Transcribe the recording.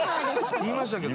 言いましたけど。